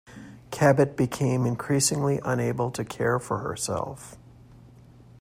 Cabot became increasingly unable to care for herself.